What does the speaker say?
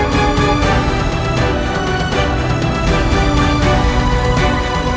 terima kasih bapak